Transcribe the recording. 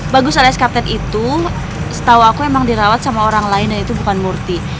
bagus alias kapten itu setahu aku memang dirawat sama orang lain dan itu bukan murti